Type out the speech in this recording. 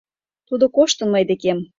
Тудо коштын мый декем.